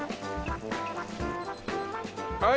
はい。